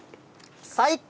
最高。